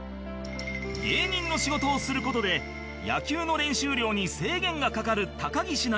芸人の仕事をする事で野球の練習量に制限がかかる高岸だが